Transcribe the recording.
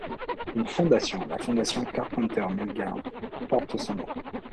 Une fondation, la fondation Carpenter-Meldgaard, porte son nom.